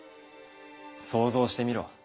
想像してみろ。